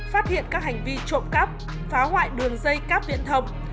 phát hiện các hành vi trộm cắp phá hoại đường dây cáp viễn thông